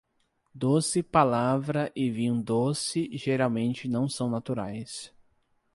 Doce palavra e vinho doce geralmente não são naturais.